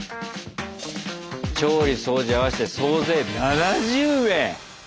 調理掃除合わせて総勢７０名！